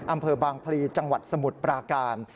อำเภอบางพลีจสมุทรปราการ